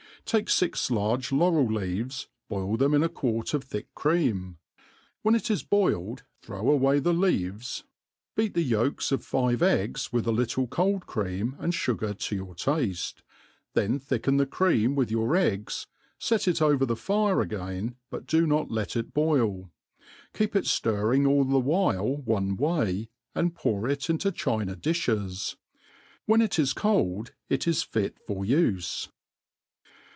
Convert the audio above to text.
TAKE fix large laurel leaves, boil them in a quart of thick cream : whea it is boiled throvtr a\yay the leaves^ beat the yolka ' I I ?.■> MADE PLAIN AND EASY. 29J •«f Hve eggs with a littk cold cream, and fugar to your tafte, then thicken the cream with your eggs, fct it over the fire again, but do i/oc let it boil ; keep it ftirring all the while one way, and pour it into china difhes* When it is c&ld^ it is fit ' for ufe.